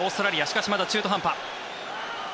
しかし、まだ中途半端。